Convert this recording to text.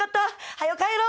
はよ帰ろ！